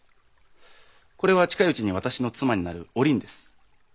これは近いうちに私の妻になるお倫です。